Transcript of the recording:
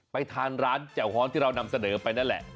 ไปทานร้านแจ่วฮ้อนที่เรานำเสนอไปนั่นแหละ